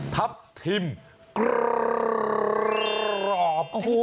ทับทิมกรอบ